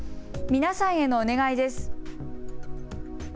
皆さんへのお願いです。